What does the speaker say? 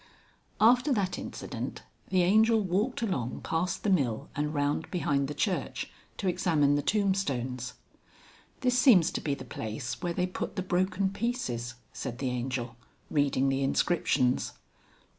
XXVII. After that incident the Angel walked along past the mill and round behind the church, to examine the tombstones. "This seems to be the place where they put the broken pieces," said the Angel reading the inscriptions.